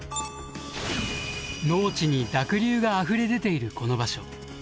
農地に濁流があふれ出ているこの場所。